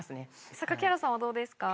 榊原さんはどうですか？